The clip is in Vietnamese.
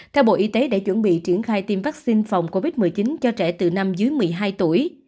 theo bộ y tế để chuẩn bị triển khai tiêm vaccine phòng covid một mươi chín cho trẻ từ năm dưới một mươi hai tuổi